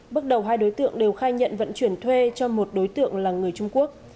bước đầu hai đối tượng đều khai nhận vận chuyển thuê cho một đối tượng là người trung quốc